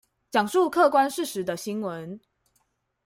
講述客觀事實的新聞